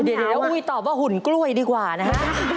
เดี๋ยวอุ้ยตอบว่าหุ่นกล้วยดีกว่านะฮะ